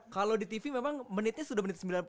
kalau di tv memang menitnya sudah menit